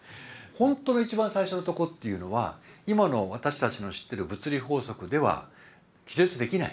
ほんとの一番最初のとこっていうのは今の私たちの知ってる物理法則では記述できない。